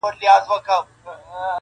خدای ته آساني پرې کړي غاړي -